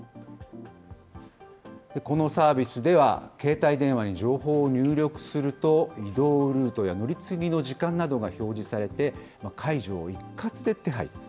このサービスでは、携帯電話に情報を入力すると、移動ルートや乗り継ぎの時間などが表示されて、介助を一括で手配。